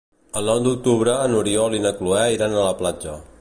El nou d'octubre n'Oriol i na Cloè iran a la platja.